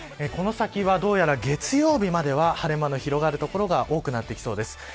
この先は、どうやら月曜日までは晴れ間の広がる所が多くなってきそうです。